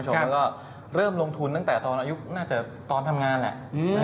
แล้วก็เริ่มลงทุนตั้งแต่ตอนอายุน่าจะตอนทำงานแหละ